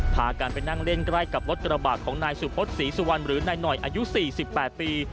พากันไปนั่งเล่นใกล้กับรถกระบาดของนายสุพศศรีสุวรรณหรือนายหน่อยอายุ๔๘ปี